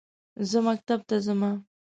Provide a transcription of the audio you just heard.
زه مکتب ته زمه